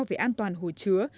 về an toàn hồ chứa